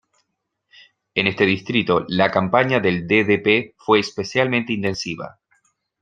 En este distrito, la campaña del ddp fue especialmente intensiva.